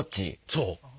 そう。